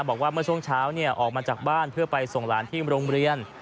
บอกว่าเมื่อช่วงเช้าออกมาจากบ้านเพื่อไปส่งหลานที่โรงเรียน